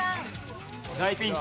大ピンチ。